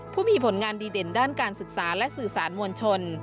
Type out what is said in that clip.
ผู้มีผลงานดีเด่นด้านการศึกษาและสื่อสารมวลชน